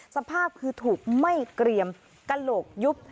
สภาพคือถูกไหม้เกรียมกระโหลกยุบ